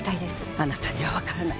あなたに分からない。